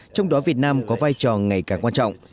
trong đó việt nam có vai trò ngày càng quan trọng